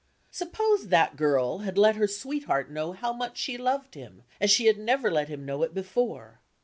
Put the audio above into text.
Suppose that girl had let her sweetheart know how she loved him as she had never let him know it before.